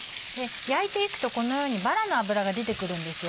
焼いていくとこのようにバラの脂が出てくるんですよね。